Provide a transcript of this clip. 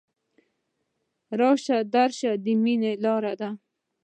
راشه درشه د ميني لاره ده